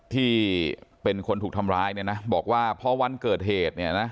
ที่เป็นคนถูกทำร้ายเนี่ยนะบอกว่าพอวันเกิดเหตุเนี่ยนะ